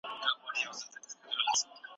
موږ بايد د مطالعې نسل ملاتړ وکړو.